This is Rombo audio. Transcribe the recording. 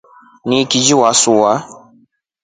Nikili wasua.